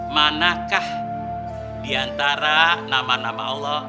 manakah diantara nama nama allah